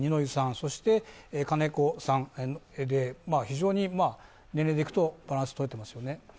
そして金子さんで、非常に年齢でいくとバランスがとれていますよね。